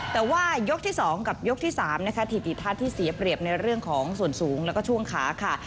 แต่ว่ายกที่๒กับยกที่๓นะคะถิติทัศน์ที่เสียเปรียบในเรื่องของส่วนสูงแล้วก็ช่วงขาค่ะ